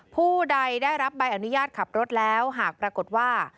ผู้ใดได้รับใบอนุญาตขับรถแล้วหากปรากฏว่า